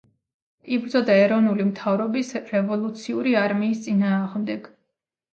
იბრძოდა ეროვნული მთავრობის რევოლუციური არმიის წინააღმდეგ.